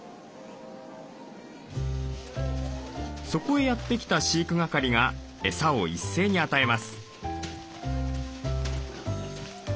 そこへやって来た飼育係がエサを一斉に与えます。